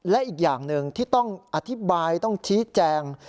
และอีกอย่างหนึ่งที่ต้องอธิบายต้องชี้แจง